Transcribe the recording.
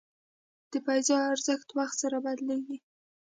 د پیسو ارزښت وخت سره بدلېږي.